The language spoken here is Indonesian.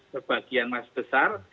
sebagian mas besar